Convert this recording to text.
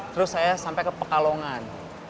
terus saya sampai ke pekalongan